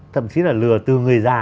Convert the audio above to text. thậm chí là lừa từ người già